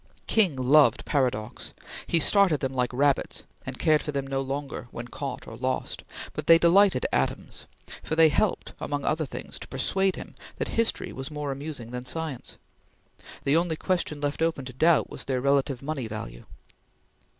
King loved paradox; he started them like rabbits, and cared for them no longer, when caught or lost; but they delighted Adams, for they helped, among other things, to persuade him that history was more amusing than science. The only question left open to doubt was their relative money value.